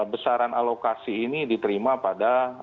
besaran alokasi ini diterima pada